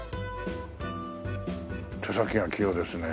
手先が器用ですね。